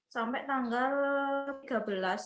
sampai tanggal tiga belas